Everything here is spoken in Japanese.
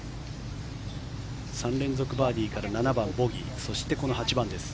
３連続バーディーから７番ボギーそして、この８番です。